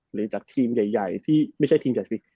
หรือจากทีมใหญ่ที่ไม่ใช่ทีมจากสิก